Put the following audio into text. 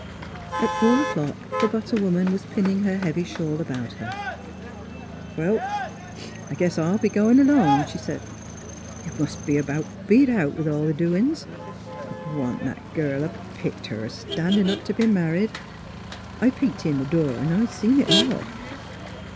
At four o'clock the butter woman was pinning her heavy shawl about her. " Well, I guess I'll be goin' along," she said. " You mus' be about beat out with all the doin's. But wa'n't that girl a pic ter a standin' up t' be married ; I peeked in th' door an' seen it all.